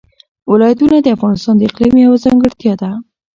ولایتونه د افغانستان د اقلیم یوه ځانګړتیا ده.